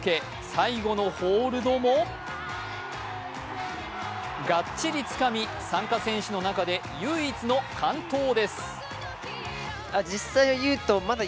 最後のホールドもがっちりつかみ、参加選手の中で唯一の完登です。